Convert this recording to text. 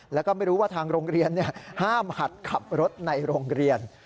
แล้วก็ไม่รู้ว่าทางโรงเรียนห้ามหัดขับรถในโรงเรียน